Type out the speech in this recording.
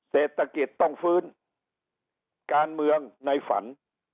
เศรษฐกิจต้องฟื้นการเมืองในฝัน